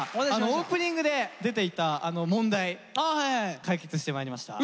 オープニングで出ていた問題解決してまいりました。